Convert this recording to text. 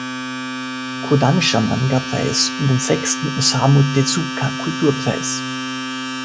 Kodansha-Manga-Preis und den sechsten Osamu-Tezuka-Kulturpreis.